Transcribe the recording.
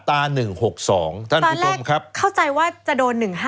แต่ตอนแรกเข้าใจว่าจะโดน๑๕๗